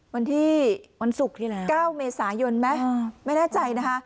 วันที่๙เมษายนไหมไม่แน่ใจนะคะ